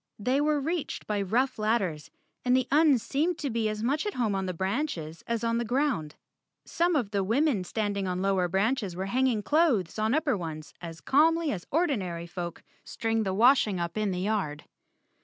They were reached by rough ladders and the Uns seemed to be as much at home on the branches as on the ground. Some of the womeff standing on lower branches were hanging clothes on upper ones as calmly 135 The Cowardly Lion of Oz as ordinary folk string the washing up in the yard.